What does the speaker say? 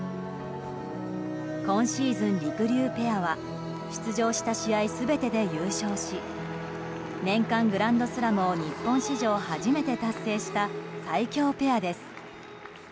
今シーズンりくりゅうペアは出場した試合全てで優勝し、年間グランドスラムを日本史上初めて達成した最強ペアです。